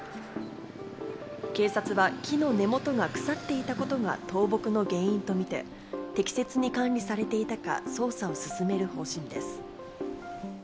警察は木の根元が腐っていたことが倒木の原因とみて、適切に管理されていたか、捜査を進める方針です。